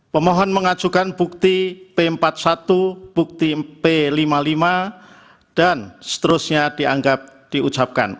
pemohon mengajukan bukti p empat puluh satu bukti p lima puluh lima dan seterusnya dianggap diucapkan